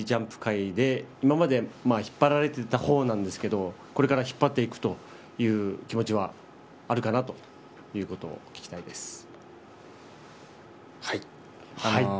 自分が好きジャンプ界を今まで引っ張られてた方なんですけどこれまで引っ張っていくという気持ちはあるかなということを聞きたいです。